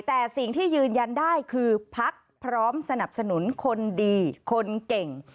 แต่สิ่งที่ยืนยันได้คือพักพร้อมสนับสนุนคนดีคนเก่ง